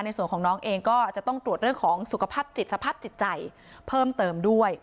ในส่วนของน้องเองก็จะต้องตรวจเรื่องของสุขภาพจิตสภาพจิตใจเพิ่มเติมด้วย